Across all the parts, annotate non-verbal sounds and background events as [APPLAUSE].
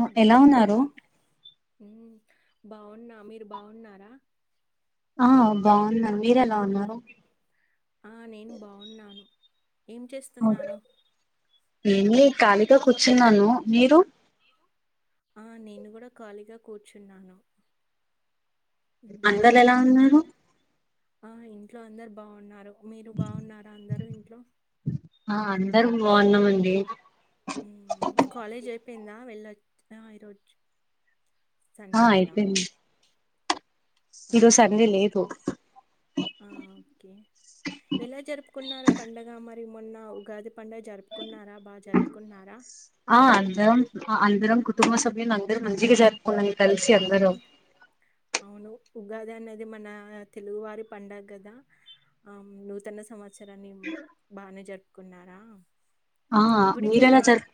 ఆ ఎలా దీపికా ఉన్నారు నా ఉమ్ బాగున్నా మీరు బాగున్నారా ఆ బాగున్నాం మీరు ఎలా ఉన్నారు ఆ నేను బాగున్నాను ఏం చేస్తున్నారు ఊరినే కాలీగా కూర్ చున్నాను మీరు ఆ నేను కూడా ఖాళీగా కూర్చున్నాను ఉమ్ అందరూ ఎలా ఉన్నారు ఆ ఇంట్లో అందరు బాగున్నారు మీరు బాగున్నారా అందరూ ఇంట్లో దరం బాగున్నామండి కాలేజ్ చెప్పిందా వెళ్ళొచ్చ ఆ ఇరోజు ఆ సండే కదా అయిపోయింది ఈరోజు సండే లేదు ఆ ఓకే ఎలా జరుపుకున్నారు పండగ మరి మొన్న ఉగాది పండుగ జరుపుకున్నారా బాగా జరుపుకున్నారా ఆ అందరం అందరం కుటుంబ సభ్యులు అందరు మంచిగా జరుపుకు కలిసి అందరం అవును ఉగాది అనేది మన తెలుగువారి పండుగ కదా ఆ నూతన సంవత్సరాన్ని బాగానే జరుపుకున్నారా ఆ హ గుడికి వెళ్ళ మీరెలా జరుప్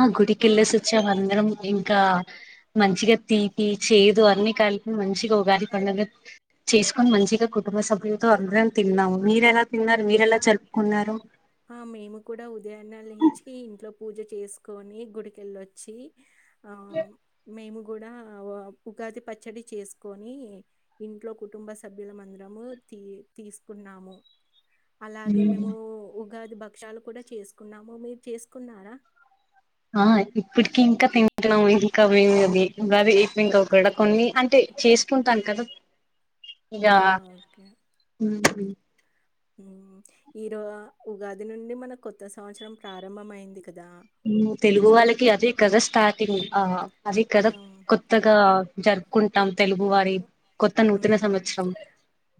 ఆ గుడికి వెళ్ళేసి వచ్చాము అందరం ఇంకా మంచిగా తీపి చేదు అన్ని కలిపి మంచిగా ఉగాది పండుగ చేసుకొని మంచిగా కుటుంబ సభ్యులతో అందరం తిన్నాము మీరెలా తిన్నారు మీరెలా జరుపుకున్నారు ఆ మేము కూడా ఉదయాన్నే లేచి ఇంట్లో పూజ చేసుకొని గుడికెళ్ళొచ్చి మేము కూడా ఉగాది పచ్చడి చేసుకొని ఇంట్లో కుటుంబ సభ్యులం అందరము తీ తీసుకున్నాము అలాగే మేము ఉగాది బక్ష్యాలు కూడా చేసుకున్నాము మీరు చేసుకున్నారా ఆ ఇప్పటికి ఇంకా తింటున్నాం ఇంకా మేం అది ఉగాది అయిపోయినంక కూడా కొన్ని అంటే చేసుకుంటాం కదా ఆ! ఇగా మ్ హ్ ఈ రో ఉగాది నుండి మన కొత్త సంవత్సరం ప్రారంభం అయింది తెలుగు వాళ్ళకి అది కదా స్టార్టింగ్ అది ఆ! కదా కొత్తగా జరుపుకుంటాం తెలుగు వారి కొత్త ఉ నూతన సంవత్సరం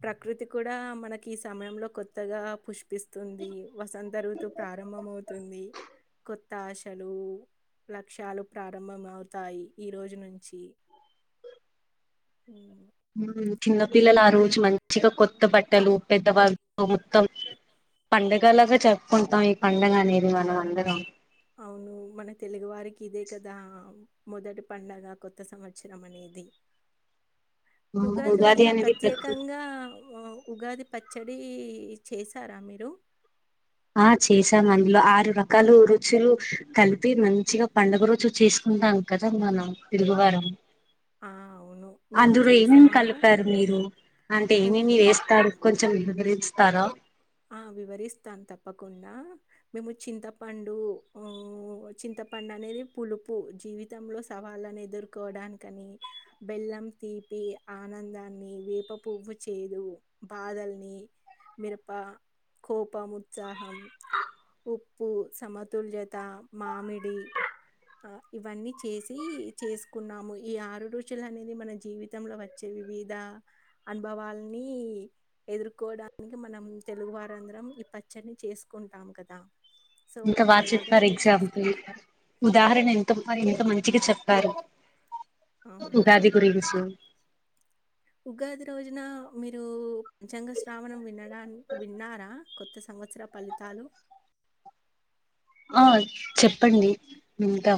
ప్రకృతి కూడా మనకి ఈ సమయంలో కొత్తగా పుష్ప పిస్తుంది వసంత ఋతువు ప్రారంభం అవుతుంది కొ త్తాశలు లక్ష్యాలు ప్రారంభమవుతాయి ఈ రోజు నుంచి ఉ చిన్నపిల్లలు ఆ రోజు మంచిగా కొత్త బట్టలు పెద్దవాళ్ళతో మొత్తం పండగలాగా జరుపుకుంటాం ఈ పండగ అనేది మనం అందరం అవును మన తెలుగువారికి ఇదే కదా మొదటి పండగ కొత్త సంవత్సరం అనేది ఉగాది రోజున అనేది ప్రతి ప్రత్యేకంగా ఉగాది పచ్చడి చేసారా మీరు ఆ చేసాం అందులో ఆరు రక కాలు రుచులు కలిపి మంచిగా పండుగ రోజు చేసుకుంటాం కదా మనం తెలుగువారం ఆ, అవును మేము అందులో ఏమేమ్ చేసాము కలిపారు మీరు అంటే మేము ఏమేమి వేస్తారు కొంచెం వివ తారా ఆ వివరిస్తాను తప్పకుండా మేము చింతపండు ఉ చింతపండు అనేది పులుపు జీవితంలో సవాళ్ళను ఎదుర్కోవడానికని బెల్లం తీపి ఆనందాన్ని వేప పువ్వు చేదు బాధల్ని మిరప కోపం ఉత్సాహం ఉప్పు సమతుల్యత మామిడి ఆ ఇవన్నీ చేసి చేసుకున్నాము ఈ ఆరు ఋచుల అనేది మన జీవితంలో వచ్చే వివిధ అనుభవల్ని ఎదుర్కోడానికి మనం తెలుగువారందరం ఈ పచ్చని చేసుకుంటాం కదా సో, ఇంత బచ్యత అలాగా ఫర్ మేము ఎగ్జాంపుల్ చేసుకున్నాం. ఉదాహరణ ఎంత ఎంత మంచిగా చెప్ బారు అవునా ఉగాది రోజున మీరు పంచాంగ శ్రావణం వినడా విన్నారా కొత్త సంవత్సర ఫలితాలు ఆన్ చెప్పండి ఇంకా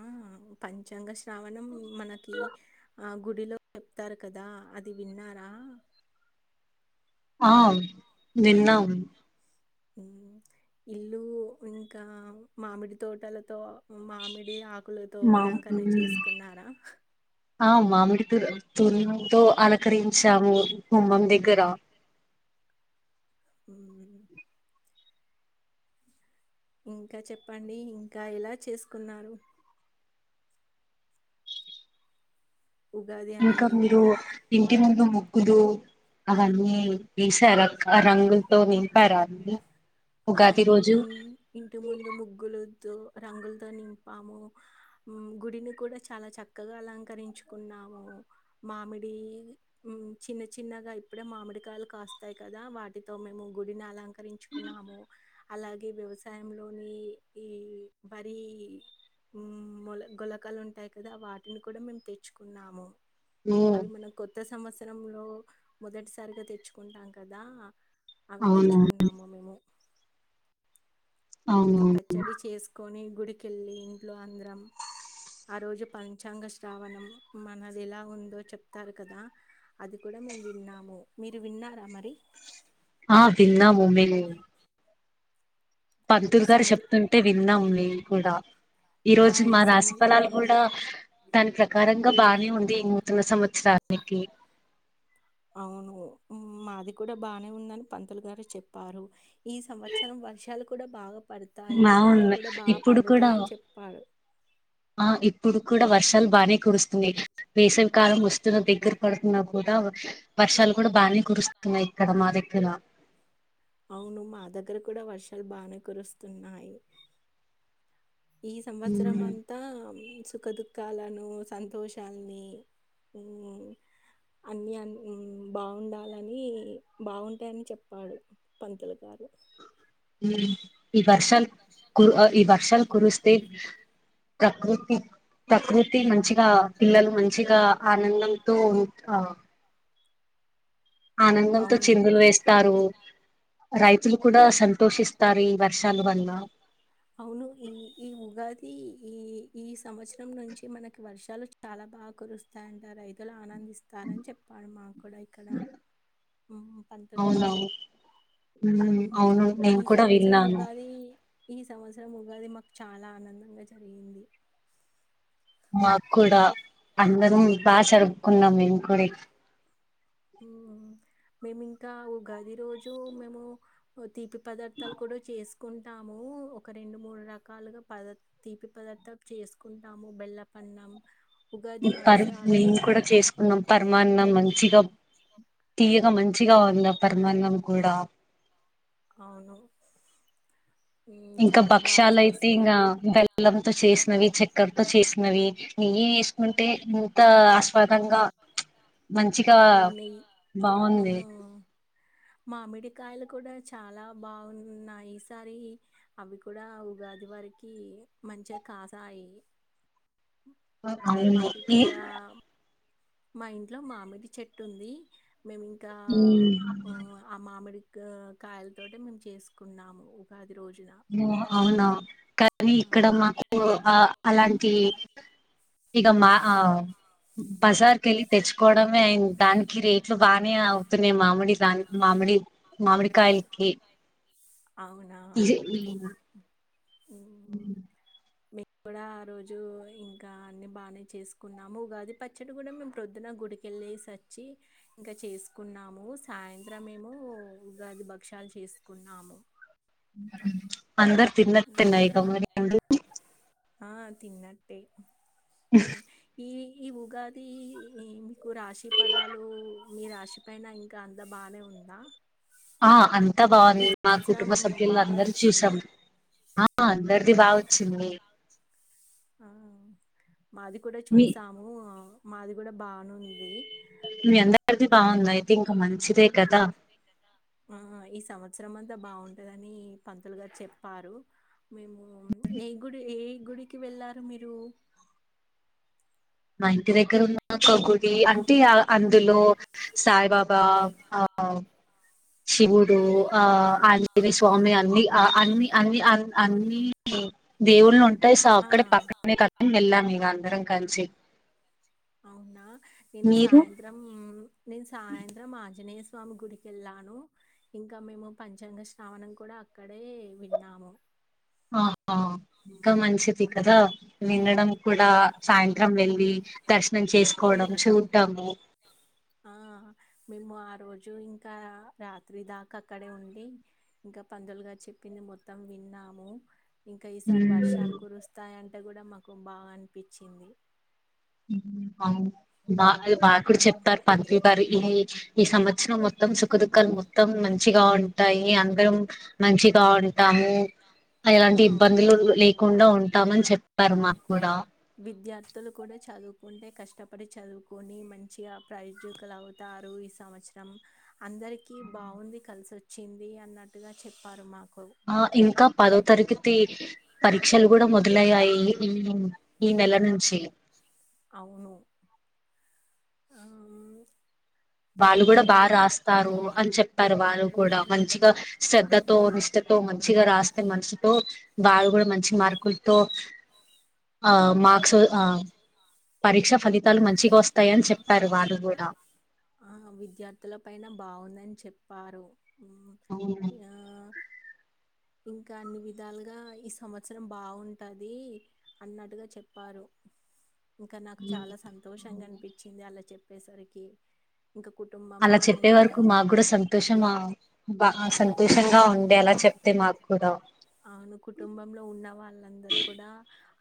ఆ పంచాంగ శ్రావణం మనకి ఆ గుడిలో చెప్తారు కదా అది విన్నారా ఆ నిన్న ఉను ఇల్లు ఇంకా మామిడి తోటలతో మామిడి ఆకు హక్కులతో మా అలంకరణ ఉమ్, చేసుకున్నారా ఆ మామిడి తూరు తూరు ఆలకరి చ్చము కుుమ్మం గ్రా ఉ ఇంకా చెప్పండి ఇంకా ఇలా చేసుకున్నారు ఉగాది ఇంకా అనేది? మీరు ఇకా ఇంటి ముందు ముగ్గులు అవన్నీ వేసారు రంగులతో వింపారు అన్ని ఆ ఉగాది ఇంటి రోజు ముందు ఇంటి ముందు ముగ్గులు రంగులతో నింపాము గుడిని కూడా చాలా చక్కగా అలంకరించుకున్నాము మామిడి చిన్న చిన్నగా ఇప్పుడే మామిడికాయలు కాస్తాయి కదా వాటితో మేము గుడిని అలంక రించుకున్నాము అలాగే వ్యవసాయంలోని ఈ వరి మొల గొలకాలు ఉంటాయి కదా వాటిని కూడా మేము తెచ్చుకున్నాము ఉమ్ అవి మన కొత్త సమస్య లో మొదటిసారిగా తెచ్చుకుంటాం కదా అవి అవునా తెచ్చుకున్నాము మేము ఇంకా అవును పచ్చడి చేసుకొని గుడికెళ్ళి ఇంట్లో అందరం ఆ రోజు పంచాంగ శ్రావణం మనది ఎలా ఉందో చెప్తారు కదా అది కూడా మేము విన్నాము మీరు విన్నారా మరి ఆ విన్నా మమన్ ఈ పంతులు గారు సంవత్ చెప్తుంటే విన్నాం కూడాడా ఈ ఆ రోజు మా సంవ రాశి ఫలాలు కూడా దాని ప్రకారంగా బానే ఉంది నూతన సంవత్సరానికి అవును మాది కూడా బానే ఉందని పంతులు గారు చెప్పారు ఈ సంవత్సరం వర్షాలకు కూడా బాగా పడతాయి పంటలు బావున్నాయి కూడా బాగా ఇప్పుడు కూడా పండుతాయని చెప్పారు ఇప్పుడుకూడ వర్ష లు బానే కురుస్తుంది వేసవికాలం వస్తున్న దగ్గర పడుతున్న కూడా వర్షాలు కూడా బాగనే కురుస్తున్నాయి ఇక్కడ మా దగ్గర అవును మా దగ్గర కూడా వర్షాలు బానే కురుస్తున్నాయి ఈ సంవత్సరం ఉమ్, అంతా సుఖ దుఃఖాలను సంతోషాలిని అన్నీ బాగుండాలని బాగుంటాయ్ అని చెప్పాడు పంతులు గారు ఉ ఈ వర్షాలు కురు ఈ వర్షాలు కురుస్తే ప్రకృతి ప్రకృతి మంచిగా పిల్లలు మంచిగా ఆనందంతో ఉ ఆ ఆనందంతో అవును. చిందులు వేస్తారు రైతులు కూడా సంతోషిస్తారు ఈ వర్షాల వల్ల అవును. ఈ ఈ ఉగాది ఈ ఈ సంవత్సరం నుంచి మనకి వర్షాలు చాలా బాగా కురుస్తాయంట రైతులు ఆనందిస్త ఇస్తారని చెప్పాడు మా కూడా ఇక్కడ మ్ పంతులు గారు అవునవును ఉమ్, హ్మ్. అవును నేను ఈ కూడా సంవత్సరం విన్నాను ఉగాది ఈ సంవత్సరం ఉగాది మాకు చాలా ఆనందంగా జరిగింది మాకు కూడా అందరం బాగా జరుపుకున్నాం మేము కూడా మేము ఇంకా ఉగాది రోజు మేము తీపి పదార్థాలు కూడా చేసు కుంటాము ఒక రెండు మూడు రకాలుగా పద తీపి పదార్థం చేసుకుంటాము బెల్లపన్నం ఉగాది పర్ భక్షాలు మేము కూడా చేసుకున్నాం పర్మాన్నం మంచిగా తీయక మంచిగా ఉంది పర్మాన్నం కూడా అవును హ్మ్. ఇంకా చాలా బా భక్షాలయితే ఇంకా చేసుకున్నాం. బెల్లంతో చేసినవి చెక్క అక్కర్తో చేసినవి నెయ్యే చేేసుకుంటే ఎంత ఆస్వాదంగా మంచిగా అవునున్నాయి ఆ బాగుంది మామిడి కాయలు కూడా చాలా బాగున్నాయి ఈ సారి అవి కూడా ఉగాది వరకి మంచిగా కాసాయి అవును ఈ మాకిక్కడ మా ఇంట్లో మామిడి చెట్టు ఉంది మేమి ఇంకా ఆ మామిడి కాయల తోటే మేము చేసుకున్నాము ఉగాది రోజున ఓ అవునా కానీ ఆ ఇక్కడ మాకు ఆ అలాంటి ఇక మా బజార్ కెళ్ళి తెచ్చుకోవడమే అయి దానికి రేట్లు బానే అవుతున్నాయి. మామిడి దాని మామిడి మామిడికాయలకి, అవునా ఇహ్ ఈన్ మ్మ్ మ్ మేము కూడా ఆ రోజు ఇంకా అన్ని బాగానే చేసుకున్నాము. ఉగాది పచ్చడి కూడా మేము ప్రొద్దున గుడికెళ్ళేసి వచ్చి ఇంకా చేసుకున్నాము, సాయంత్రం మేము ఉగాది భక్షాలు చేసుకున్నాము. [UNINTELLIGIBLE] తిన్నట్టున్నారు ఇక మరి ఆ తిన్నట్టే మ్మ్ ఈ ఈ ఉగాది ఇం మీకు రాశి ఫలాలు మీ రాశి పైన ఇంకా అంత బానే ఉందా, ఆ అం తా ఈ బాగుంది మా సంవత్సరం కుటుంబ సభ్యులు బానే అందరువి వచ్చిందా? చూసాం ఆ ఆ! అందరిది బా వచ్చింది. ఆ మాది కూడా మీ చూసాము మాది కూడా బానుంది మీ అందరిది బాగుంది ఇంక్ అయితే ఇంకా మంచిదే కదా ఆ ఈ సంవత్సరం అంతా బాగుంటదని పంతులుగారు చెప్పారు, మేము ఏ గుడి ఏ గుడికి వెళ్ళారు మీరు. మా ఇంటి దగ్గర ఉన్న కొగుడి అంటే అందులో సాయిబాబా ఆ శివుడు ఆ అ స్వామి అన్ని ఆ అన్ని అన్ని అ అన్ని దేవుళ్ళు ఉంటాయి సో ఆ! అక్కడ పక్కనే కదం వెళ్ళాం ఇ అందరం కల్సి అవునా నేను సాయంత్రం నేను సాయంత్రం ఆంజనేయ స్వామి గుడికి వెళ్ళాను ఇంకా మేము పంచాంగ శ్రావనం కూడా అక్కడే విన్నాము. ఆహా ఇంకా మంచిది ఉమ్. కదా వినడం కూడా అవును సాయంత్రం వెళ్ళి దర్శ మం చేసుకోవడం చూంటాము ఆ మేము ఆ రోజు ఇంకా రాత్రి దాకా అక్కడే ఉండి ఇంకా పందులుగా చెప్పింది మొత్తం విన్నాము ఇంకా ఈసారి వర్షాలు కురుస్తాయంటే కూడా మాకు బాన్ పచ్చింది బా అది మాక్కూడా ఉమ్. చెప్తారు పంతులు గారు ఈ ఈ సంవత్సరం మొత్ మొత్తం సుఖదుక్కాలు మొత్తం మంచిగా ఉంటాయి అందరం మంచిగా ఉంటాము అ ఎలాంటి అవును ఇబ్బందులు లే తకుండా ఉంటామని చెప్పారు మాకు కూడా విద్యార్థులు కూడా చదువుకుంటే కష్టపడి చదువుకొని మంచిగా ప్రైజకులు అవుతారు ఈ సంవత్సరం అందరికీ బాగుంది కలిసిొచ్చింది అన్నట్టుగా చెప్పారు మాకు ఆ ఇంకా పదో తరఖతి పరీక్షలు కూడా మొదలయ్యాయి మ్ ఈ నెల నుంచి అవును [UNINTELLIGIBLE] అయితే వాళ్ళు కూడా మేము బాగా మనం రాస్తారు అని చెప్పారు వాళ్ళు కూడా మంచిగా శ్రధతో నిష్టతో మంచిగా రాస్తే మనసుతో వాళ్ళు కూడా మంచి మార్కులతో ఆ మార్క్స్ ఆ పరీక్ష ఫలి తల్ మంచి గోస్ త్తయని చెప్పారు వాళ్ళు కూడా ఆ విద్యార్థుల పైన బావుందని చెప్పారు ఉవ్ అవును యా ఇంకా అన్ని విధాలుగా ఈ సంవత్సరం బావుంటాది అన్నట్టుగా చెప్పారు ఇంకా నాకు చాలా సంతోషంగా అనిపి అలా చెప్పేసరికి ఇంకా అలా కుటుంబంలో ఉన్న చెప్పే వరకు అందరు మాకు కూడా సంతోషం ఆ బా సలు తోషంగా ఉండే అలా చెప్తే మాకు కూడా అవును కుటుంబంలో ఉన్న వాళ్ళందరూ కూడా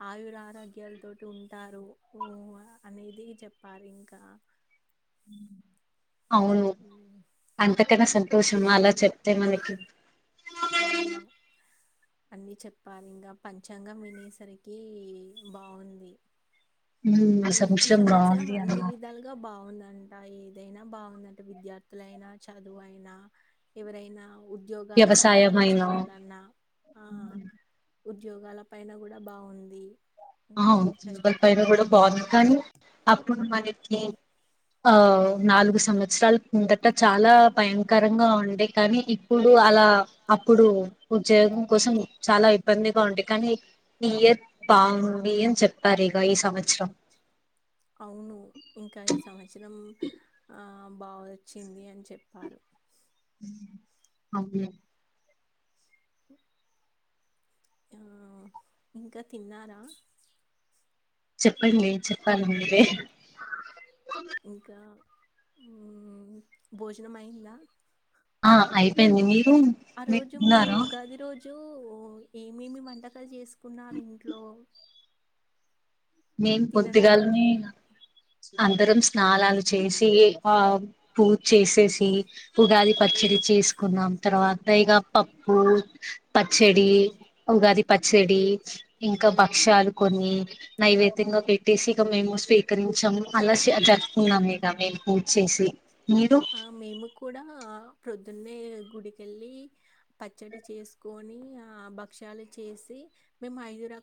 ఆయురారోగ్యాల తోటి ఉంటారు ఉ ఆ అనేది చెప్పారు ఇంకా ఉ అవును హ్మ్. అంతకన్నా సంతోషమా అలా చెప్తే మనకి అన్ని చెప్పాలి ఇంకా పంచాంగం వినేసరికి బావుంది ఉమ్ ఈ ఈ సంవత్సరం బాగుంది అన్ని అన్న విధాలుగా బావుందంట ఈ దైనా బావుందంట విద్యార్థులైనా చదువు అయినా ఎవరైనా ఉద్యోగాలు వ్యవసాయం అయినా సంపాదించుకోవాలన్నా ఆ ఉద్యోగాల పైన కూడా బావుంది అవును [UNINTELLIGIBLE] కూడా బావుంది కానీ అప్పుడు మనకి ఆ నాలుగు సంవత్సరాలు కిందట చాలా భయంకరంగా ఉండే కానీ ఇప్పుడు అలా అప్పుడు ఉద్యోగం కోసం చాలా ఇబ్బందిగా ఉండే కానీ ఈ ఇయర్ బా [UNINTELLIGIBLE] మీ ఏం చెప్పారు ఇగ ఈ సంవచ్రం. అవును ఇంకా ఈ సంవచ్రం ఆ బా వొచ్చింది అని చెప్పారు మ్మ్ అవును ఇంకా తిన్నారా చెప్పండి చెప్పాల మీరే ఉమ్మ్ భోజనమయ్యిందా ఆ అయిపోయింది మీ ఉమ్మ్ మీక్ ఉన్నారా జు ఏమేమి వంటకాలు చేసు పున్నారు ఇంట్లో మేం పొద్దిగాలిని, తినడానికి అందరం స్నాలాలు చేసి ఆ పూ చ్చేసేసి ఉగాది పచ్చడి చేసుకున్నాం తర్వాత ఇగ పప్పు, పచ్చడి ఉగాది పచ్చడి ఇంకా భక్షాలు కొన్ని రితింగా పెట్టేసి ఇక మేము స్వీకరించాము అల్లసి అజర్ర్పుకున్నాము ఇక మేము పూడ్చేసి ఆ మేము కూడా ప్రొద్దున్నే గుడికెళ్ళి పచ్చడి చేసుకొని, ఆ భక్ష్యాలు చేసి మేము ఐదురం